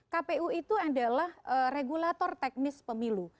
kpu itu adalah regulator teknis pemilu